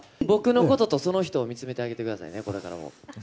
僕のこととその人を見つめてあげてくださいね、これからも。